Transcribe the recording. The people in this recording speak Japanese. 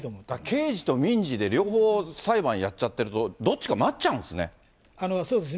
刑事と民事で両方裁判やっちゃってると、どっちか待っちゃうそうです。